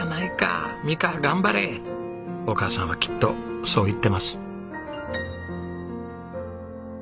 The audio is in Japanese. お母さんはきっとそう言ってます。